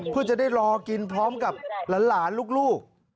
เพื่อจะได้รอกินพร้อมกับหลานลูก